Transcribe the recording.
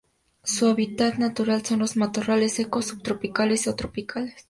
Su hábitat natural son los matorrales secos subtropicales o tropicales.